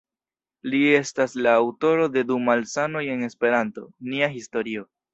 Li estas la aŭtoro de "Du Malsanoj en Esperanto", "Nia Historio.